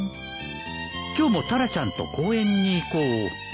今日もタラちゃんと公園に行こう